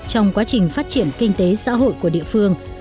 trong quá trình phát triển kinh tế xã hội của địa phương